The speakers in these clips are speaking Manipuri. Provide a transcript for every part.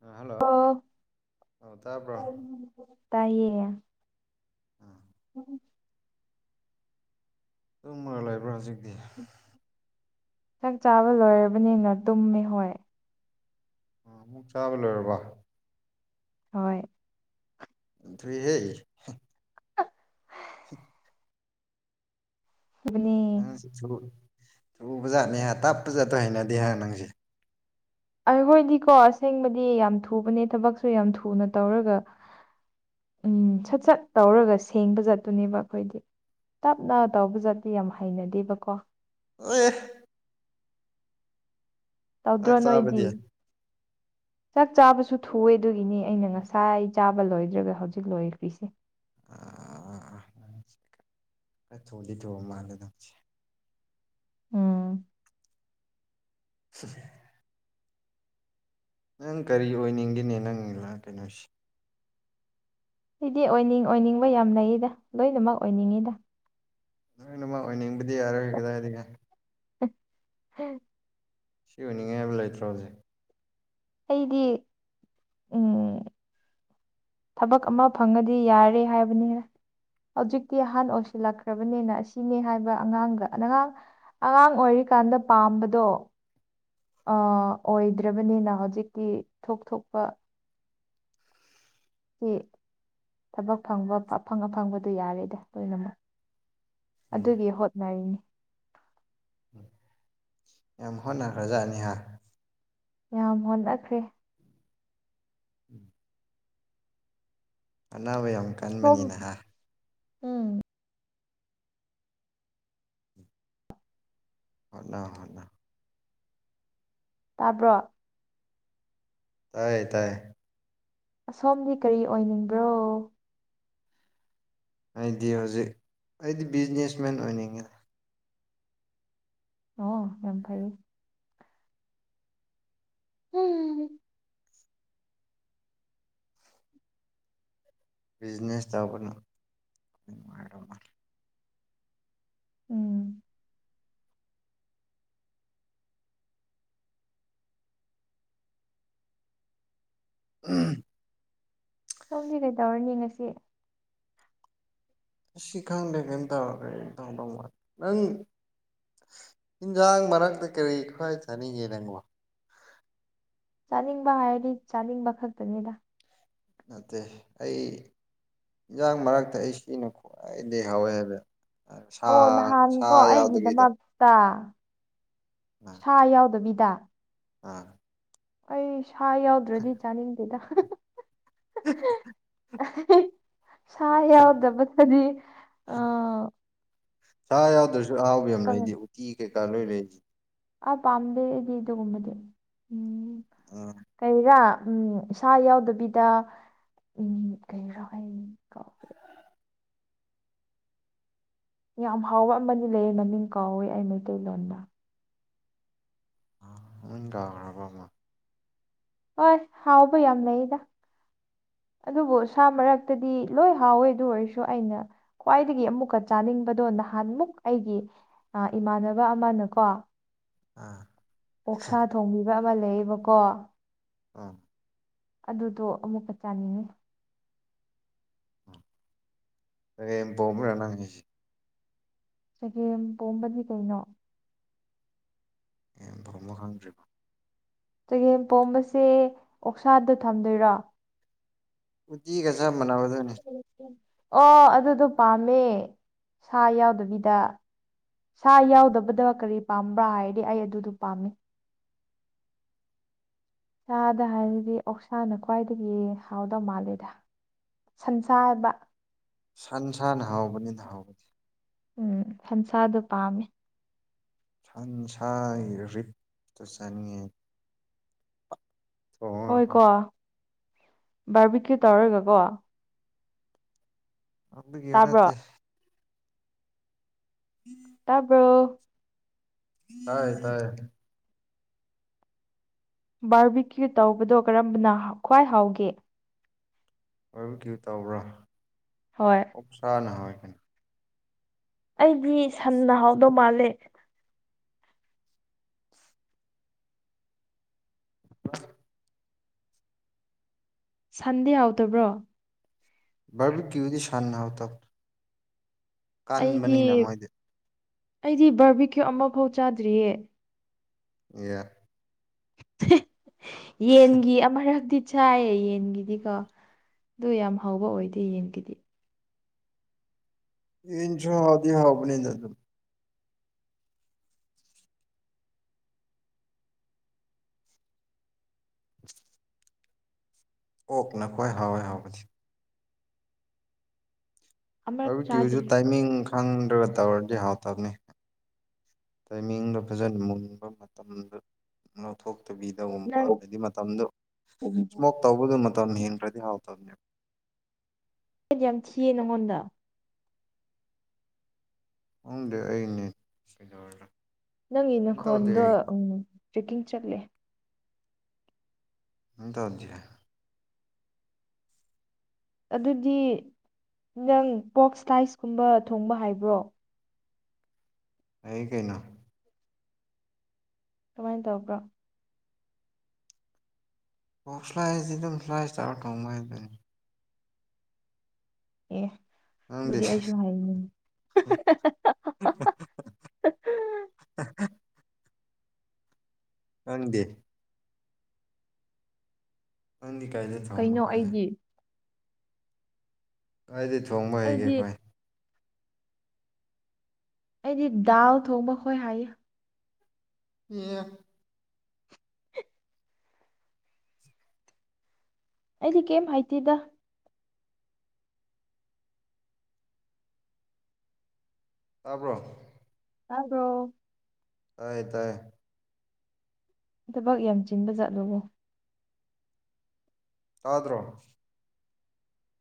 ꯑ ꯍꯜꯂꯣ ꯑꯣ ꯑ ꯇꯥꯕ꯭ꯔꯣ ꯇꯥꯏꯌꯦ ꯑꯥ ꯑꯗꯨꯝ ꯃꯔ ꯂꯩꯕ꯭ꯔꯥ ꯍꯧꯖꯤꯛꯇꯤ ꯆꯥꯛ ꯆꯥꯕ ꯂꯣꯏꯔꯕꯅꯤꯅ ꯇꯨꯝꯃꯦ ꯍꯣꯏ ꯑꯥ ꯑꯃꯨꯛ ꯆꯥꯕ ꯂꯣꯏꯔꯕ ꯍꯣꯏ [unintelligible] [unintelligible] ꯑꯗꯨꯅꯤ ꯊꯔꯨꯕ ꯖꯥꯠꯅꯦ ꯇꯥꯞꯄ ꯖꯥꯠꯇꯣ ꯍꯩꯅꯗꯦ ꯍꯥꯏ ꯅꯪꯁꯦ ꯑꯩꯈꯣꯏꯗꯤꯀꯣ ꯑꯁꯦꯡꯕꯗꯤ ꯌꯥꯝ ꯊꯨꯕꯅꯦ ꯊꯕꯛꯁꯨ ꯌꯥꯝ ꯊꯨꯅ ꯇꯧꯔꯒ ꯎꯝ ꯁꯠ ꯁꯠ ꯇꯧꯔꯒ ꯁꯦꯡꯕ ꯆꯠꯇꯨꯅꯦꯕ ꯑꯩꯈꯣꯏꯗꯤ ꯇꯞꯅ ꯇꯧꯕ ꯆꯠꯗꯤ ꯌꯥꯝ ꯍꯩꯅꯗꯦꯕꯀꯣ ꯑꯣ ꯇꯧꯗ꯭ꯔꯣ ꯆꯥꯛ ꯆꯥꯕꯗꯤ ꯅꯣꯏꯗꯤ ꯑꯥ ꯆꯥꯛ ꯆꯥꯕꯁꯨ ꯊꯨꯑꯦ ꯑꯗꯨꯒꯤꯅꯤ ꯑꯩꯅ ꯉꯁꯥꯏ ꯆꯥꯕ ꯂꯣꯏꯗ꯭ꯔꯒ ꯍꯧꯖꯤꯛ ꯂꯣꯏꯈ꯭ꯔꯤꯁꯦ ꯑꯥ ꯑꯥ ꯑꯥ ꯑꯥ ꯈꯔ ꯊꯣꯡꯗꯤ ꯊꯣꯡꯑ ꯃꯥꯜꯂꯦ ꯅꯪꯁꯦ ꯎꯝ ꯎꯝ ꯅꯪ ꯀꯔꯤ ꯑꯣꯏꯅꯤꯡꯒꯤꯅꯦ ꯅꯪ ꯀꯩꯅꯣꯁꯤ ꯁꯤꯗꯤ ꯑꯣꯏꯅꯤꯡ ꯑꯣꯏꯅꯤꯡꯕ ꯌꯥꯝ ꯂꯩꯌꯦꯗ ꯂꯣꯏꯅꯃꯛ ꯑꯣꯏꯅꯤꯡꯉꯤꯗ ꯅꯣꯏꯅꯃ ꯑꯣꯏꯅꯤꯡꯕꯗꯤ ꯌꯥꯔꯔꯣꯏ ꯀꯗꯥꯏꯒ ꯎꯝ ꯁꯤ ꯑꯣꯏꯅꯤꯡꯉꯥꯏ ꯍꯥꯏꯕ ꯂꯩꯇ꯭ꯔꯣ ꯍꯧꯖꯤꯛ ꯑꯩꯗꯤ ꯎꯝ ꯊꯕꯛ ꯑꯃ ꯐꯪꯉꯗꯤ ꯌꯥꯔꯦ ꯍꯥꯏꯕꯅꯤꯔ ꯍꯧꯖꯤꯛꯇꯤ ꯑꯍꯥꯟꯕ ꯑꯣꯏꯁꯤꯜꯂꯛꯈ꯭ꯔꯕꯅꯤꯅ ꯑꯁꯤꯅꯦ ꯍꯥꯏꯕ ꯑꯉꯥꯡꯒ ꯑꯉꯥꯡ ꯑꯉꯥꯡ ꯑꯣꯏꯔꯤꯀꯥꯟꯗ ꯄꯥꯝꯕꯗꯣ ꯑ ꯑꯣꯏꯗ꯭ꯔꯕꯅꯤꯅ ꯍꯧꯖꯤꯛꯇꯤ ꯊꯣꯛ ꯊꯣꯛꯄ ꯁꯤ ꯊꯕꯛ ꯐꯪꯕ ꯑꯐꯪ ꯑꯐꯪꯕꯗꯨ ꯌꯥꯔꯦꯗꯤ ꯂꯣꯏꯅꯃꯛ ꯎꯝ ꯑꯗꯨꯗꯤ ꯍꯣꯠꯅꯔꯤꯅꯤ ꯎꯝ ꯌꯥꯝ ꯍꯣꯠꯅꯈ꯭ꯔꯖꯥꯠꯅꯤ ꯌꯥꯝ ꯍꯣꯠꯅꯈ꯭ꯔꯦ ꯎꯝ ꯑꯅꯥꯕꯌꯝ ꯎꯝ ꯍꯣꯠꯅꯧ ꯍꯣꯠꯅꯧ ꯇꯥꯕ꯭ꯔꯣ ꯇꯥꯏꯌꯦ ꯇꯥꯏꯌꯦ ꯑꯁꯣꯝꯗꯤ ꯀꯔꯤ ꯑꯣꯏꯅꯤꯡꯕ꯭ꯔꯣ ꯑꯩꯗꯤ ꯍꯧꯖꯤꯛ ꯑꯩꯗꯤ ꯕꯤꯖꯤꯅꯦꯁꯃꯦꯟ ꯑꯣꯏꯅꯤꯡꯉꯦ ꯑꯣ ꯌꯝ ꯐꯩꯌꯦ ꯍꯨꯝ ꯕꯤꯖꯤꯅꯦꯁ ꯇꯧꯕꯅ ꯅꯨꯡꯉꯥꯏꯔ ꯎꯝ ꯎꯝ ꯁꯣꯝꯁꯦ ꯀꯩ ꯇꯧꯔꯅꯤ ꯉꯁꯤ ꯁꯤꯈꯪꯗꯦ ꯀꯩꯝ ꯇꯧꯒ [inaudible] ꯅꯪ ꯏꯤꯟꯖꯥꯡ ꯃꯔꯛꯇ ꯀꯔꯤ ꯈ꯭ꯋꯥꯏ ꯆꯥꯅꯤꯡꯒꯦ ꯅꯪꯕꯣ꯫ ꯆꯥꯅꯤꯡꯕ ꯍꯥꯏꯔꯗꯤ ꯆꯥꯅꯤꯡꯕ ꯈꯛꯇꯅꯤꯗ꯫ ꯅꯠꯇꯦ ꯑꯩ ꯏꯟꯖꯥꯡ ꯃꯔꯛꯇ ꯑꯩ ꯁꯤꯅ ꯈ꯭ꯋꯥꯏꯗꯒꯤ ꯍꯥꯎꯋꯦ ꯍꯥꯏꯕ ꯁꯥ ꯁꯥ ꯌꯥꯎꯗꯕꯤꯗ꯫ ꯇ ꯑꯥ ꯁꯥ ꯌꯥꯎꯗꯕꯤꯗ ꯑꯥ ꯑꯩ ꯁꯥ ꯌꯥꯎꯗ꯭ꯔꯗꯤ ꯆꯥꯅꯤꯡꯗꯦꯗ ꯁꯥ ꯌꯥꯎꯗꯕꯗꯗꯤ ꯑ ꯁꯥ ꯌꯥꯎꯗ꯭ꯔꯁꯨ ꯑꯍꯥꯎꯕ ꯌꯥꯝ ꯀꯪ ꯂꯩꯗꯤ ꯎꯇꯤ ꯀꯩꯀꯥ ꯂꯣꯏꯂꯩ꯫ ꯑꯥ ꯄꯥꯝꯗꯦ ꯑꯩꯗꯤ ꯑꯗꯨꯒꯨꯝꯕꯗꯤ ꯎꯝ ꯑ ꯀꯩꯔꯥ ꯎꯝ ꯁꯥ ꯌꯥꯎꯗꯕꯤꯗ ꯎꯝ ꯀꯩꯔꯥ ꯍ ꯌꯥꯝ ꯍꯥꯎꯕ ꯑꯃꯗꯤ ꯂꯩꯌꯦ ꯃꯃꯤꯡ ꯀꯥꯎꯋꯦ ꯑꯩ ꯃꯩꯇꯩꯂꯣꯟꯗ꯫ [inaudible] ꯑꯃ ꯍꯣꯏ ꯍꯥꯎꯕ ꯌꯥꯝ ꯂꯩꯗ ꯑꯗꯨꯕꯨ ꯁꯥ ꯃꯔꯛꯇꯗꯤ ꯂꯣꯏ ꯍꯥꯎꯋꯦ ꯑꯗꯨ ꯑꯣꯏꯔꯁꯨ ꯑꯩꯅ ꯈ꯭ꯋꯥꯏꯗꯒꯤ ꯑꯃꯨꯛꯀ ꯆꯥꯅꯤꯡꯕꯗꯣ ꯅꯍꯥꯟꯃꯨꯛ ꯑꯩꯒꯤ ꯏꯃꯥꯟꯅꯕ ꯑꯃꯅꯀꯣ ꯑꯥ ꯑꯣꯛꯁꯥ ꯊꯣꯡꯕꯤꯕ ꯑꯃ ꯂꯩꯌꯦꯕꯀꯣ ꯎꯝ ꯑꯗꯨꯗꯣ ꯑꯃꯨꯛꯀ ꯆꯥꯅꯤꯡꯉꯤ ꯔꯦꯝ ꯄꯣꯝꯕꯔꯥ ꯅꯪꯒꯤ ꯆꯒꯦꯝ ꯄꯣꯝꯕꯗꯤ ꯀꯩꯅꯣ ꯒꯦꯝ ꯄꯣꯝꯕ ꯈꯪꯗ꯭ꯔꯤꯕꯣ ꯆꯒꯦꯝꯄꯣꯝꯕꯁꯦ ꯑꯣꯛꯁꯥꯗ ꯊꯝꯗꯣꯏꯔꯣ ꯎꯇꯤꯒ ꯆꯝ ꯃꯅꯕꯗꯣ ꯑꯣ ꯑꯗꯨꯗꯣ ꯄꯥꯝꯃꯦ ꯁꯥ ꯌꯥꯎꯗꯕꯤꯗ꯫ ꯁꯥ ꯌꯥꯎꯗꯕꯗ ꯀꯔꯤ ꯄꯥꯝꯕ꯭ꯔꯥ ꯍꯥꯏꯔꯗꯤ ꯑꯩ ꯑꯗꯨꯗꯨ ꯄꯥꯝꯃꯤ ꯁꯥꯗ ꯍꯥꯏꯔꯗꯤ ꯑꯣꯛꯁꯥꯅ ꯈ꯭ꯋꯥꯏꯗꯒꯤ ꯍꯥꯎꯗꯧ ꯃꯥꯜꯂꯦꯗ꯫ ꯁꯟꯁꯥꯕ ꯁꯟ ꯁꯥꯅ ꯍꯥꯎꯕꯅꯤꯅ ꯍꯥꯎꯕꯗꯤ ꯎꯝ ꯁꯟꯁꯥꯗꯣ ꯄꯥꯝꯃꯦ ꯁꯟ ꯁꯥꯏ ꯔꯤꯛꯇꯣ ꯆꯅꯤꯡꯉꯦ ꯊꯣꯡꯉꯒꯀꯣ ꯍꯣꯏꯀꯣ ꯕꯥꯔꯕꯤꯀ꯭ꯌꯨ ꯇꯧꯔꯒꯀꯣ [unintelligible] ꯇꯥꯕ꯭ꯔꯣ ꯅꯠꯇꯦ [inaudible] ꯇꯥꯕ꯭ꯔꯣ ꯇꯥꯏ ꯇꯥꯏ ꯕꯥꯔꯕꯤꯀ꯭ꯌꯨ ꯇꯧꯕꯗꯣ ꯀꯔꯝꯕꯅ ꯈ꯭ꯋꯥꯏ ꯍꯥꯎꯒꯦ꯫ ꯕꯥꯔꯕꯤꯀ꯭ꯌꯨ ꯇꯧꯕ꯭ꯔꯥ ꯍꯣꯏ ꯑꯣꯛꯁꯅꯥ ꯍꯥꯎꯏ ꯑꯩꯗꯤ ꯁꯟꯟꯅ ꯍꯥꯎꯗꯧ ꯃꯥꯜꯂꯦ [unintelligible] ꯁꯟꯗꯤ ꯍꯥꯎꯇꯕ꯭ꯔꯣ ꯕꯔꯕꯤ ꯀ꯭ꯌꯨꯗꯤ ꯁꯟꯅ ꯍꯥꯎꯇꯕꯅꯤ ꯑꯩꯗꯤ ꯀꯟꯕꯅꯤꯅ ꯃꯣꯏꯗꯤ ꯑꯩꯗꯤ ꯕꯥꯔꯕꯤꯀ꯭ꯌꯨ ꯑꯃꯐꯥꯎ ꯆꯥꯗ꯭ꯔꯤꯌꯦ ꯌꯥ [unintelligible] ꯌꯦꯟꯒꯤ ꯑꯃꯔꯛꯇꯤ ꯁꯥꯏꯌꯦ ꯌꯦꯟꯒꯤꯗꯤꯀꯣ ꯑꯗꯨ ꯌꯥꯝ ꯍꯥꯎꯕ ꯑꯣꯏꯗꯦ ꯌꯦꯟꯒꯤꯗꯤ ꯌꯦꯟꯁꯨ ꯍꯥꯎꯗꯤ ꯍꯥꯎꯕꯅꯤ ꯗ ꯑꯗꯨꯝ ꯑꯣꯛꯅ ꯈ꯭ꯋꯥꯏ ꯍꯥꯎꯑꯦ ꯍꯥꯎꯕꯗꯤ ꯑꯃꯔꯛ ꯕꯥꯔꯕꯤꯀ꯭ꯌꯨ ꯁꯨ ꯆꯥꯗ꯭ꯔꯤ ꯇꯥꯏꯃꯤꯡ ꯈꯪꯗ꯭ꯔꯒ ꯇꯧꯔꯗꯤ ꯍꯥꯎꯇꯕꯅꯤ ꯇꯥꯏꯃꯤꯡꯗꯣ ꯐꯖꯅ ꯃꯨꯟꯕ ꯃꯇꯝꯗ ꯂꯧꯊꯣꯛꯇꯕꯤꯗ ꯀꯒꯨꯝꯕ ꯅꯪ ꯍꯥꯏꯗꯤ ꯃꯇꯝꯗꯣ ꯏꯁꯃꯣꯛ ꯇꯧꯕꯗꯣ ꯃꯇꯝ ꯍꯦꯟꯈ꯭ꯔꯗꯤ ꯍꯥꯎꯇꯕꯅꯦꯕ [unintelligible] ꯌꯥꯝ ꯊꯤꯌꯦ ꯅꯪꯉꯣꯟꯗ ꯈꯪꯗꯦ ꯑꯩꯅꯦ [unintelligible] ꯅꯪ ꯀꯩꯝ ꯇꯧꯗꯦ ꯅꯥꯈꯣꯟꯗꯣ ꯑꯩ ꯇ꯭ꯔꯦꯛꯀꯤꯡ ꯆꯠꯂꯦ ꯎꯝ ꯇꯧꯍꯟꯖꯤꯔꯥ ꯑꯗꯨꯗꯤ ꯅꯪ ꯄꯣꯛ ꯁꯇꯥꯏꯁꯀꯨꯝꯕ ꯊꯣꯡꯕ ꯍꯥꯏꯕ꯭ꯔꯣ ꯍꯩ ꯀꯩꯅꯣ ꯀꯃꯥꯏꯅ ꯇꯧꯕ꯭ꯔꯣ ꯄꯣꯛ ꯁ꯭ꯂꯥꯏꯁꯤ ꯑꯗꯨꯝ ꯁ꯭ꯂꯥꯏ ꯏꯁꯇꯥꯔ ꯊꯣꯡꯕ ꯊꯣꯡꯕ ꯋꯥꯅꯤꯗ ꯑꯦ ꯅꯪꯗꯤ ꯑꯗꯨꯗꯤ ꯑꯩꯁꯨ ꯍꯥꯏꯅꯤꯡꯉꯤ ꯎ [unintelligible] ꯅꯪꯗꯦ ꯅꯪꯗꯤ ꯀꯥꯏꯗꯩ ꯊꯣꯡꯕ ꯀꯩꯅꯣ ꯈ꯭ꯋꯥꯏ ꯍꯩ ꯑꯩꯗꯤ ꯑꯩꯗꯤ ꯊꯣꯡꯕ ꯍꯩꯒꯦ ꯑꯩꯗꯤ ꯈ꯭ꯋꯥꯏ ꯑꯩꯗꯤ ꯗꯥꯜ ꯊꯣꯡꯕ ꯈꯣꯏ ꯍꯥꯏꯌꯦ ꯑꯦ ꯑꯩꯗꯤ ꯀꯩꯝ ꯍꯥꯏꯇꯦꯗ ꯇꯥꯕ꯭ꯔꯣ ꯇꯥꯕ꯭ꯔꯣ ꯇꯥꯏꯌꯦ ꯇꯥꯏꯌꯦ ꯊꯕꯛ ꯌꯥꯝ ꯆꯤꯟꯕ ꯆꯥꯠꯂꯨꯕ ꯇꯥꯗ꯭ꯔꯣ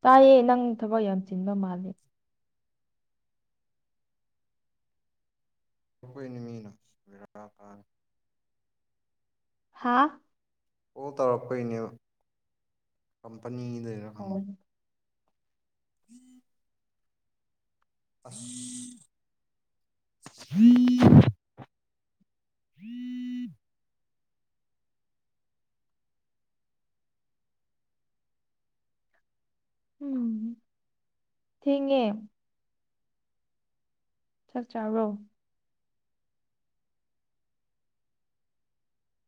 ꯇꯥꯏꯌꯦ ꯅꯪ ꯊꯕꯛ ꯌꯥꯝ ꯆꯤꯟꯕ ꯃꯥꯜꯂꯦ ꯑꯈꯣꯏꯅꯤ ꯃꯤꯅ ꯕꯦꯔꯥ ꯀ ꯍꯥꯥ ꯑꯣꯜ ꯇꯧꯔꯛꯄꯩꯅꯦ ꯀꯝꯄꯅꯤꯗꯩꯔ ꯈꯪꯗꯦ ꯑꯣ [unintelligible] ꯑꯁ [unintelligible] ꯎꯝ ꯊꯦꯡꯉꯦ ꯆꯥꯛ ꯆꯥꯕ꯭ꯔꯣ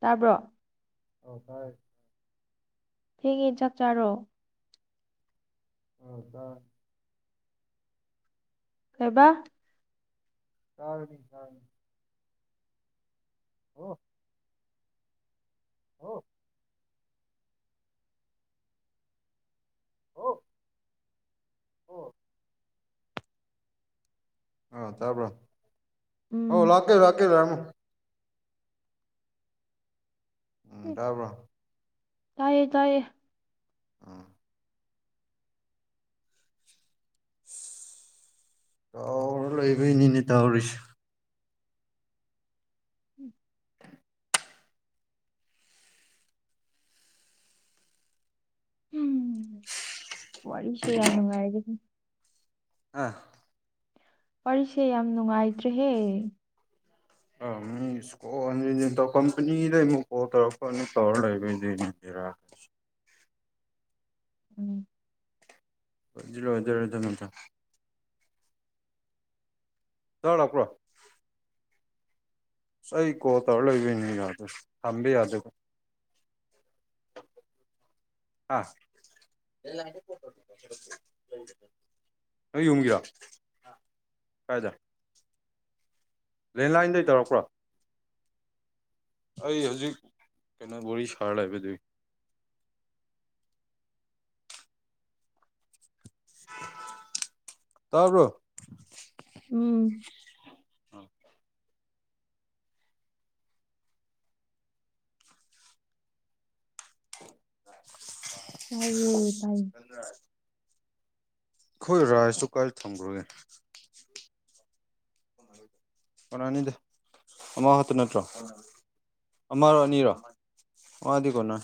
ꯇꯥꯕ꯭ꯔꯣ ꯑꯣ ꯇꯥꯔꯦ ꯊꯦꯡꯉꯦ ꯆꯥꯛ ꯆꯥꯔꯣ [unintelligible] ꯀꯩꯕ ꯆꯔꯅꯤ ꯆꯥꯡꯅꯤ ꯑꯣ ꯑꯣ ꯑꯣ ꯑꯣ ꯑ ꯇꯕ ꯍ ꯎꯝ ꯂꯥꯛꯀꯦ ꯂꯥꯛꯀꯦ ꯌꯥꯝ ꯎꯝ ꯇꯥꯕ꯭ꯔꯣ ꯇꯥꯏꯌꯦ ꯇꯥꯏꯌꯦ ꯑꯥ ꯇꯧꯔ ꯂꯣꯏꯕꯩꯅꯤꯅꯦ ꯇꯧꯔꯤꯁꯦ [inaudible] ꯎꯝ ꯋꯥꯔꯤꯁꯦ ꯌꯥꯝ ꯅꯨꯡꯉꯥꯏꯔꯒꯦ ꯑꯥ ꯋꯥꯔꯤꯁꯦ ꯌꯥꯝ ꯅꯨꯡꯉꯥꯏꯇ꯭ꯔꯦꯍꯦ ꯑ ꯑꯣ ꯑ ꯗ ꯀꯝꯄꯅꯤꯗ ꯃ ꯄꯥꯎꯇꯔꯀꯅꯤ ꯇꯧꯔ ꯂꯩꯕꯨꯖ ꯂꯔ ꯎꯝ ꯑꯗꯨꯔ ꯑꯗꯨ ꯅꯠꯇꯣ ꯇ ꯂꯥꯛꯄ꯭ꯔꯣ ꯑꯩ ꯀꯣ ꯇꯧꯔ ꯂꯩꯕꯅꯤ ꯑꯗꯨ ꯊꯕꯤ ꯌꯥꯗ ꯑꯥ ꯅ ꯌꯒꯔ ꯀꯥꯏꯗ ꯂꯦꯟꯂꯥꯏꯟꯗꯩ ꯇꯧꯔꯛꯄ꯭ꯔꯣ ꯑꯩ ꯍꯧꯖꯤꯛ ꯀꯩꯅꯣ ꯕꯣꯔꯤ ꯁꯥꯔ ꯍꯥꯏꯕꯗꯨꯏ ꯇꯔꯕ꯭ꯔꯣ ꯎꯝ ꯑ [inaudible] ꯇꯥꯏꯌꯦ ꯇꯥꯏꯌꯦ ꯑ ꯑꯩꯈꯣꯏ ꯔꯥꯏꯁꯇꯨ ꯀꯥꯏꯗ ꯊꯝꯈ꯭ꯔꯒꯦ [inaudible] ꯑꯣꯅꯥꯅꯤꯗ ꯑꯃꯃꯥ ꯍꯠꯇ ꯅꯠꯇ꯭ꯔꯣ ꯑ ꯃꯥꯔꯅꯤꯔꯣ ꯋꯥꯗꯤꯀꯅ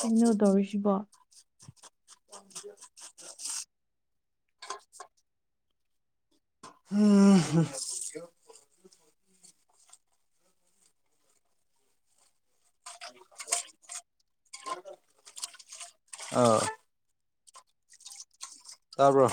ꯄꯤꯟꯅꯨꯗꯧꯔꯤꯁꯤꯕꯣ ꯎꯝꯝ ꯑ ꯇꯥꯄ